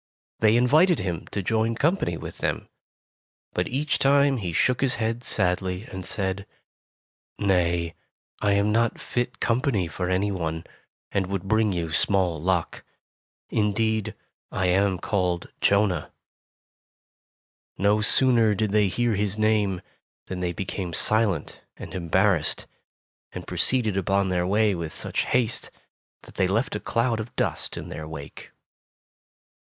They invited him to join company with them, but each time he shook his head sadly and said: "Nay, I am not fit company for any one, and would bring you small luck. Indeed, I am called Jonah.'' No sooner did they hear his name, than they became silent arid embarrassed, and proceeded upon their way with such haste that they left a cloud of dust in their wake.